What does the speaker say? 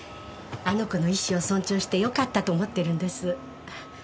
あの子の遺志を尊重してよかったと思ってるんです。